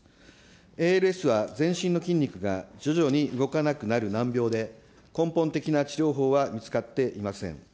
ＡＬＳは全身の筋肉が徐々に動かなくなる難病で、根本的な治療法は見つかっておりません。